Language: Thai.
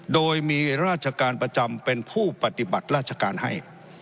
โดยมีราชการประจำเป็นผู้ปฏิบัติราชการให้